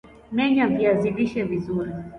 menya viazi lishe vizuri